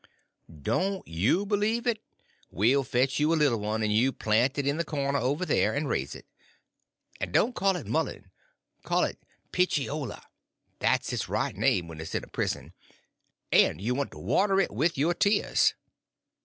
"Don't you believe it. We'll fetch you a little one and you plant it in the corner over there, and raise it. And don't call it mullen, call it Pitchiola—that's its right name when it's in a prison. And you want to water it with your tears."